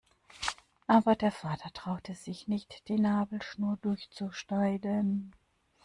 Aber der Vater traute sich nicht, die Nabelschnur durchzuschneiden.